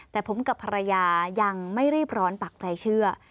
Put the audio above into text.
แต่ผมกับภรรยายังไม่รีบร้อนปักใจเชื่อ